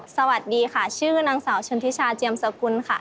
สวัสดีค่ะชื่อนางสาวชนทิชาเจียมสกุลค่ะ